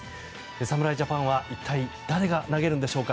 侍ジャパンは一体誰が投げるんでしょうか。